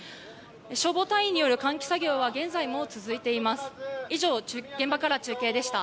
消防隊員による換気作業は現在も続いています。